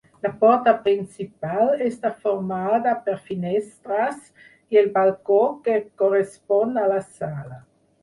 La porta principal està formada per finestres i el balcó que correspon a la sala.